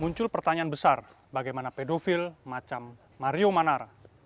muncul pertanyaan besar bagaimana pedofil macam mario manara